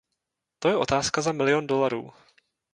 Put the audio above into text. To je otázka za milion dolarů.